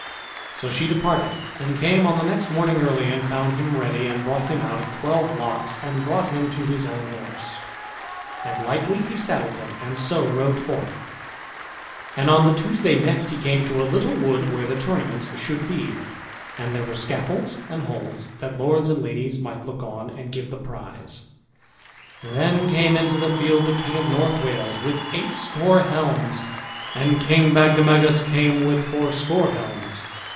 So she departed, and came on the next morning early and found him ready, and brought him out of twelve locks, and brought him to his own horse, and lightly he saddled him, and so rode forth. And on the Tuesday next he came to a little wood where the tournament should be. And there were scaffolds and holds, that lords and ladies might look on, and give the prize. Then came into the field the king of North Wales, with eightscore helms, and King Badgemagus came with fourscore helms.